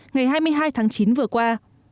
ngày hai mươi hai tháng chín vừa qua